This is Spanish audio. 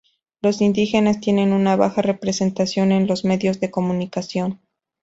Los indígenas tienen una baja representación en los medios de comunicación.